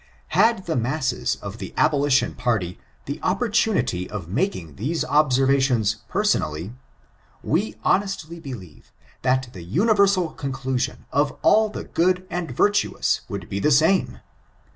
Had the masses of the abolition party the opportuni ty of making these observations personally, we hon estly believe that the universal conclusion of all the good and virtuous would be the same.